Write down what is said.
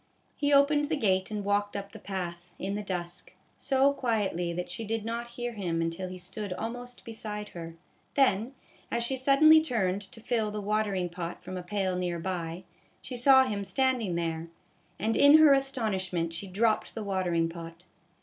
He opened the gate and walked up the path, in the dusk, so quietly that she did not hear him until he stood almost beside her ; then, as she suddenly turned to fill the water ing pot from a pail near by, she saw him standing there, and, in her astonishment, she dropped the watering pot.